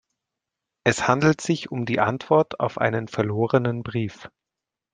Es handelt sich um die Antwort auf einen verlorenen Brief.